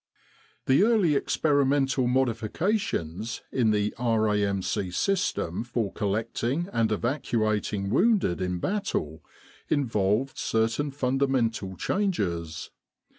The early experimental modifications in the R.A.M.C. system for collecting and evacuating wounded in battle involved certain fundamental changes.